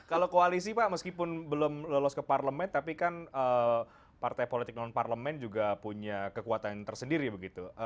kalau koalisi pak meskipun belum lolos ke parlemen tapi kan partai politik non parlemen juga punya kekuatan tersendiri begitu